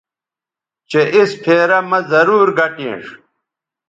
چہء اِس پھیرہ مہ ضرور گٹینݜ